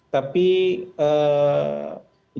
tapi jauh lebih mudah mereka bergabung